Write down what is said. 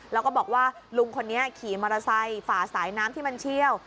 แล้วก็บอกว่าลุงคนนี้ขี่มอเตอร์ไซค์ฝ่าสายน้ำที่มันเชี่ยว